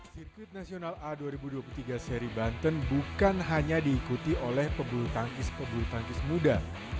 sirkuit nasional a dua ribu dua puluh tiga seri banten bukan hanya diikuti oleh pebulu tangkis pebulu tangkis muda